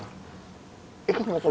ih nggak perlu